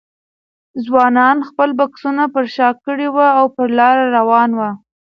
ځوانانو خپل بکسونه پر شا کړي وو او په لاره روان وو.